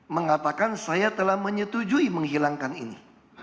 mengatakan saya telah menyetujui menghilangkan ini